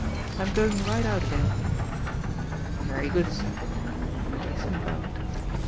I am going right out again." "Very good, sir," Jason bowed.